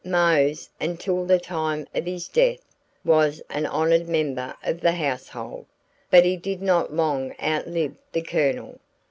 Mose, until the time of his death, was an honored member of the household, but he did not long outlive the Colonel.